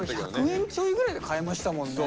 １００円ちょいぐらいで買えましたもんね。